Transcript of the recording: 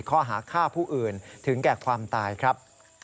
ข้อหาฆ่าผู้อื่นถึงแก่ความตายครับ